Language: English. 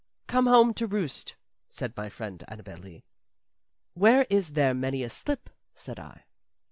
"Come home to roost," said my friend Annabel Lee. "Where is there many a slip?" said I.